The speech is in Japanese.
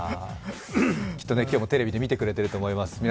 きっと今日もテレビで見てくれてると思います。